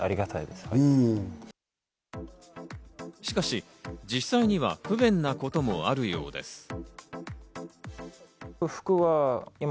しかし実際には不便なこともあるようです。